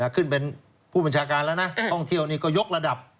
ขึ้นเป็นผู้บัญชาการแล้วนะท่องเที่ยวนี่ก็ยกระดับ